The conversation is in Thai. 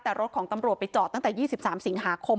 แต่รถของตำรวจไปจอดตั้งแต่๒๓สิงหาคม